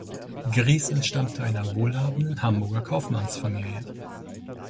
Gries entstammte einer wohlhabenden Hamburger Kaufmannsfamilie.